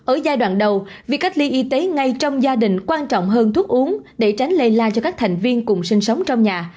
ở giai đoạn đầu việc cách ly y tế ngay trong gia đình quan trọng hơn thuốc uống để tránh lây la cho các thành viên cùng sinh sống trong nhà